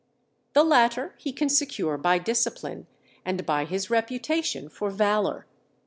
The latter he can secure by discipline and by his reputation for valour.